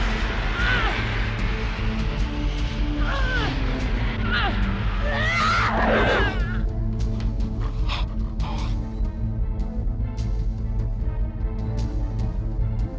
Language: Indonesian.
jangan lupa untuk berlangganan